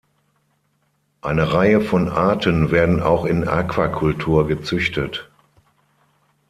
Eine Reihe von Arten werden auch in Aquakultur gezüchtet.